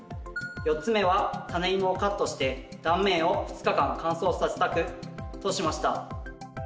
４つ目はタネイモをカットして断面を２日間乾燥させた区としました。